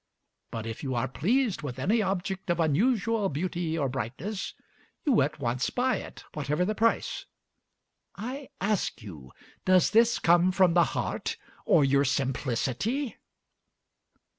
But if you are pleased with any object of unusual beauty or brightness, you at once buy it, whatever the price. I ask you, Does this come from the heart, or your simplicity?